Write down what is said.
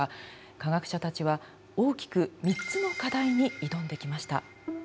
科学者たちは大きく３つの課題に挑んできました。